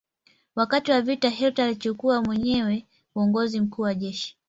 Wakati wa vita Hitler alichukua mwenyewe uongozi mkuu wa jeshi.